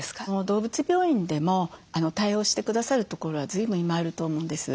動物病院でも対応してくださるところはずいぶん今あると思うんです。